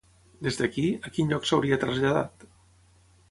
Des d'aquí, a quin lloc s'hauria traslladat?